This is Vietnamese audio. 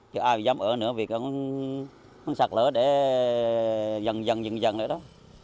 chứ ai dám ở nữa vì còn sạt lở để dần dần dần dần nữa đó